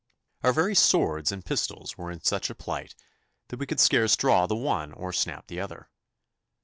Our very swords and pistols were in such a plight that we could scarce draw the one or snap the other.